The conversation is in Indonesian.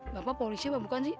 bapak polisi apa bukan sih